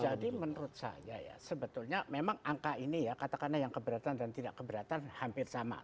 jadi menurut saya ya sebetulnya memang angka ini ya katakanlah yang keberatan dan tidak keberatan hampir sama